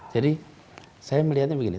jadi saya melihatnya begini